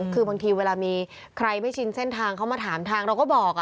คือบางทีเวลามีใครไม่ชินเส้นทางเขามาถามทางเราก็บอก